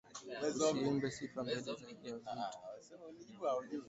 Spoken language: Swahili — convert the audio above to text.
Usiimbe sifa mbele ya vita